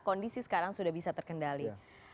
kondisi sekarang sudah bisa terkendali